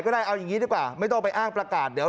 ขอเลื่อนสิ่งที่คุณหนูรู้สึก